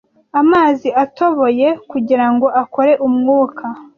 amazi atoboye kugira ngo akore umwuka.